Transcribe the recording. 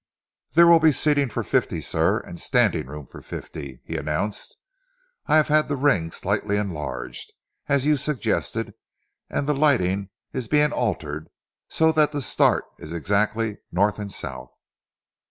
"There will be seating for fifty, sir, and standing room for fifty," he announced. "I have had the ring slightly enlarged, as you suggested, and the lighting is being altered so that the start is exactly north and south."